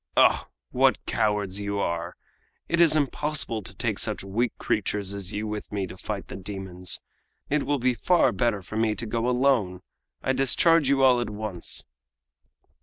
Oh! what cowards you are! It is impossible to take such weak creatures as you with me to fight the demons. It will be far better for me to go alone. I discharge you all at once!"